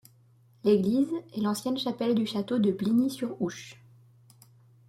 L’église est l’ancienne chapelle du château de Bligny-sur-Ouche.